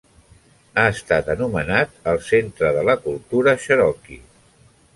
Ha estat anomenat el centre de la cultura Cherokee.